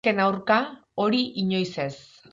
Ez nesken aurka, hori inoiz ez.